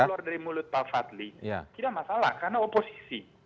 kalau keluar dari mulut pak fadli tidak masalah karena oposisi